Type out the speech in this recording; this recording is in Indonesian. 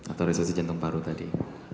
atau resesi jantung paru tadi